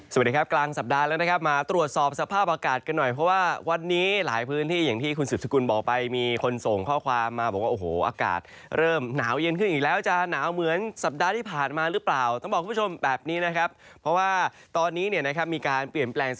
สวัสดีครับกลางสัปดาห์แล้วนะครับมาตรวจสอบสภาพอากาศกันหน่อยเพราะว่าวันนี้หลายพื้นที่อย่างที่คุณสุดสกุลบอกไปมีคนส่งข้อความมาบอกว่าโอ้โหอากาศเริ่มหนาวเย็นขึ้นอีกแล้วจะหนาวเหมือนสัปดาห์ที่ผ่านมาหรือเปล่าต้องบอกคุณผู้ชมแบบนี้นะครับเพราะว่าตอนนี้เนี่ยนะครับมีการเปลี่ยนแปลง